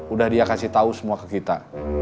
udah dia kasih tahu semua ke kita